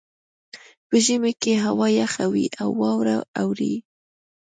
په ژمي کې هوا یخه وي او واوره اوري